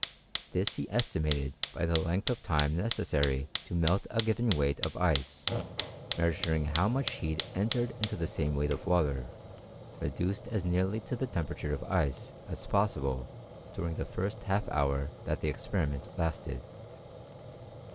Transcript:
This he estimated bv the length of time necessary, to melt a given weight in ice, measuring how much heat entered into the same weight of water, reduced as nearly to the tem perature of ice as possible during the first half hour that the experiment lasted.